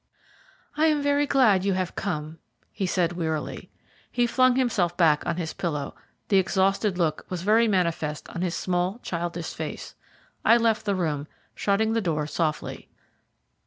"I am very glad you have come," he said wearily. He flung himself back on his pillow; the exhausted look was very manifest on his small, childish face. I left the room, shutting the door softly.